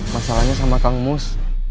masalahnya sama kang mus